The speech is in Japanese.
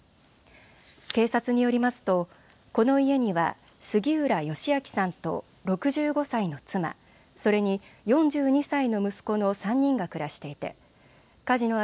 警察によりますと、この家には杉浦義明さんと６５歳の妻、それに４２歳の息子の３人が暮らしていて火事の